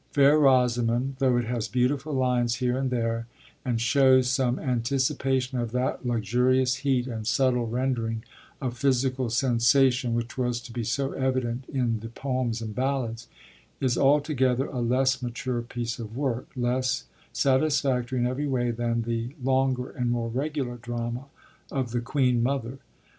Fair Rosamond, though it has beautiful lines here and there, and shows some anticipation of that luxurious heat and subtle rendering of physical sensation which was to be so evident in the Poems and Ballads, is altogether a less mature piece of work, less satisfactory in every way, than the longer and more regular drama of The Queen Mother.